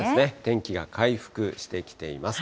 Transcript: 天気が回復してきています。